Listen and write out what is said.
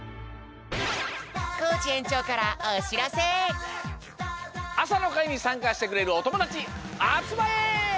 だるまさんあさのかいにさんかしてくれるおともだちあつまれ！